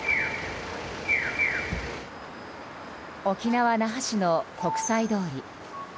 沖縄・那覇市の国際通り。